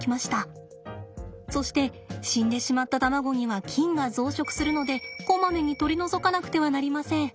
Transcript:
そして死んでしまった卵には菌が増殖するのでこまめに取り除かなくてはなりません。